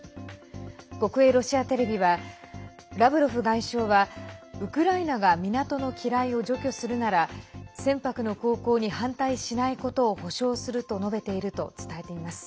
国営ロシアテレビはラブロフ外相はウクライナが港の機雷を除去するなら船舶の航行に反対しないことを保証すると述べていると伝えています。